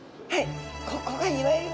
ここがいわゆる。